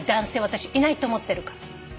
私いないと思ってるから。